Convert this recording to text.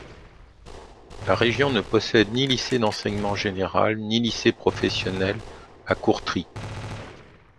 La région ne possède ni lycée d'enseignement général ni lycée professionnel à Courtry.